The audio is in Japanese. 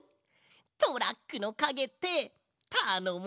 トラックのかげってたのもしいね。